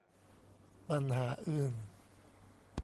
ปัญหาอื่น